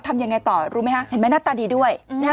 ทำยังไงต่อรู้ไหมฮะเห็นไหมหน้าตาดีด้วย